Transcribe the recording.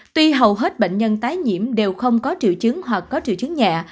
tuy hầu hết bệnh nhân tái nhiễm đều không có triệu chứng hoặc có triệu chứng nhẹ